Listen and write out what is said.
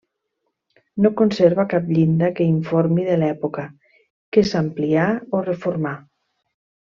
No conserva cap llinda que informi de l'època que s'amplià o reformà.